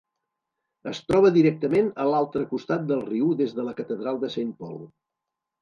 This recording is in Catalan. Es troba directament a l'altre costat del riu des de la catedral de Saint Paul.